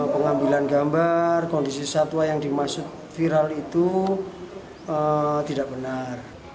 pengambilan gambar kondisi satwa yang dimaksud viral itu tidak benar